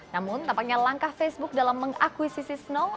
namun tampaknya langkah facebook dalam mengakuisisi snow